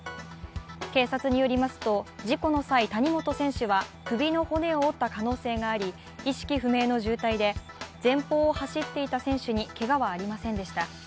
警察によりますと、事故の際、谷本選手は首の骨を折った可能性があり、意識不明の重体で、前方を走っていた選手にけがはありませんでした。